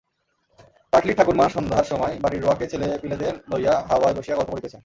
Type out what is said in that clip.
পাটলির ঠাকুরমা সন্ধ্যার সময় বাড়ির রোয়াকে ছেলেপিলেদের লইয়া হাওয়ায় বসিয়া গল্প করিতেছেন।